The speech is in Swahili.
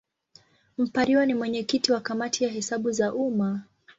Mpariwa ni mwenyekiti wa Kamati ya Hesabu za Umma.